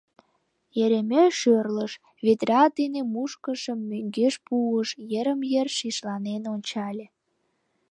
Еремей шӧрлыш, ведра ден мушкышым мӧҥгеш пуыш, йырым-йыр шишланен ончале.